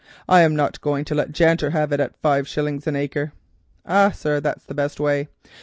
I am not going to let Janter have it at five shillings an acre." "Ah, sir, that's the best way.